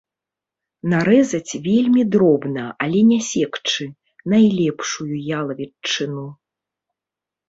Нарэзаць вельмі дробна, але не секчы, найлепшую ялавічыну.